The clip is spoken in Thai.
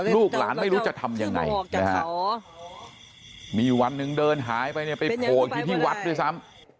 ลูกหลานไม่รู้จะทำยังไงนะฮะมีวันหนึ่งเดินหายไปเนี่ยไปโผล่อยู่ที่วัดด้วยซ้ำ